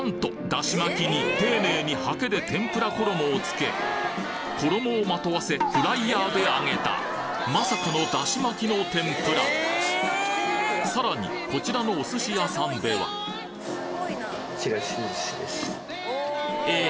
だし巻きに丁寧にハケで天ぷら衣をつけ衣をまとわせフライヤーで揚げたまさかのだし巻きの天ぷらさらにこちらのおすし屋さんではえ？